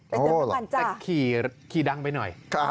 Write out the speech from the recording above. แต่ขี่ดังไปหน่อย